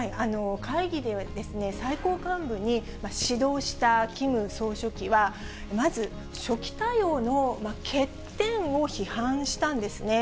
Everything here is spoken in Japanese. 会議では、最高幹部に指導したキム総書記は、まず、初期対応の欠点を批判したんですね。